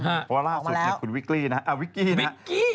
ฮะเข้ามาแล้วคุณวิกกี้นะฮะอ่าวิกกี้นะวิกกี้